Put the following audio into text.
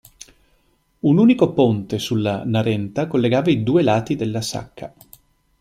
Un unico ponte sulla Narenta collegava i due lati della sacca.